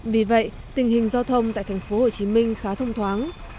vì vậy tình hình giao thông tại thành phố hồ chí minh khá thông thoáng